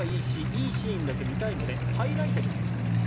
いいシーンだけ見たいのでハイライトで見ますと。